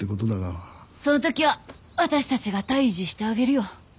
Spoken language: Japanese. そのときは私たちが退治してあげるよ。